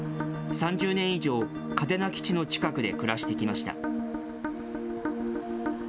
３０年以上、嘉手納基地の近くで暮らしてきました。